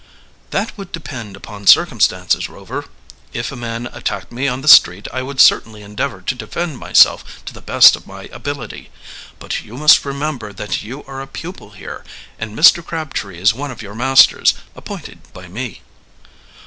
"That would depend upon, circumstances, Rover. If a man attacked me on the street I would certainly endeavor to defend myself to the best of my ability. But you must remember that you are a pupil here, and Mr. Crabtree is one of your masters, appointed by me."